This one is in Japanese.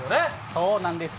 そうなんですよ。